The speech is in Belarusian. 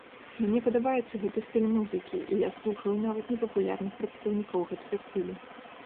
Мне падабаецца гэты стыль музыкі, і я слухаю нават непапулярных прадстаўнікоў гэтага стылю.